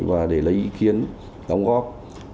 và để lấy ý kiến đóng góp